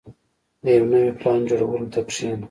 • د یو نوي پلان جوړولو ته کښېنه.